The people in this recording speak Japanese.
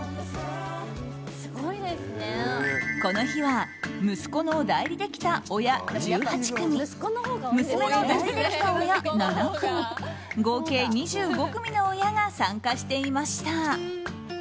この日は息子の代理で来た親１８組娘の代理で来た親７組合計２５組の親が参加していました。